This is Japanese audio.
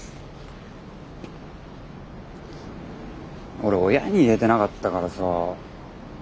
俺親に言えてなかったからさ。